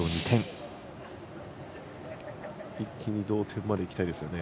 一気に同点までいきたいですよね。